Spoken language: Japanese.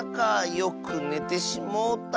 よくねてしもうた。